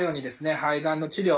肺がんの治療